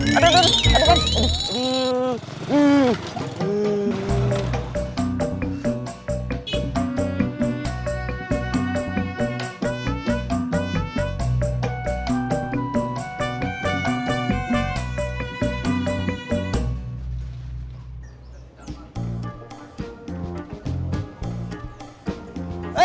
sampai jumpa lagi